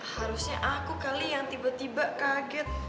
harusnya aku kali yang tiba tiba kaget